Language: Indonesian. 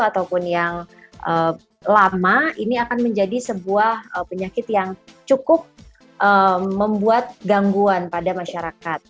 ataupun yang lama ini akan menjadi sebuah penyakit yang cukup membuat gangguan pada masyarakat